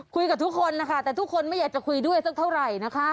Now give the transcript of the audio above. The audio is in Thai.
คุยกับทุกคนนะคะแต่ทุกคนไม่อยากจะคุยด้วยสักเท่าไหร่นะคะ